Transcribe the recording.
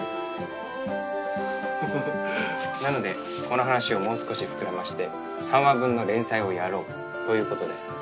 なのでこの話をもう少し膨らませて３話分の連載をやろうという事で。